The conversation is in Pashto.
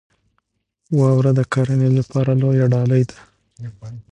واوره د کرنې لپاره لویه ډالۍ ده.